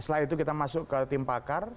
setelah itu kita masuk ke tim pakar